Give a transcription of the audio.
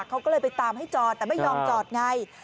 เขาก็เลยไปตามให้จอดแต่ไม่ยอมจอดไง